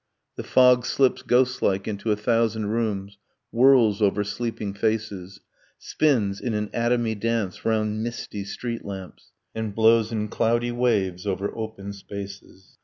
The fog slips ghostlike into a thousand rooms, Whirls over sleeping faces, Spins in an atomy dance round misty street lamps; And blows in cloudy waves over open spaces